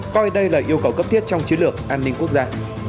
coi đây là yêu cầu cấp thiết trong chiến lược an ninh quốc gia